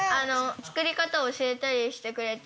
作り方を教えたりしてくれて。